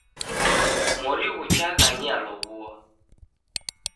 Mori ghuchagha nialow'ua.